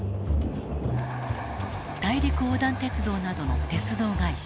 大陸横断鉄道などの鉄道会社。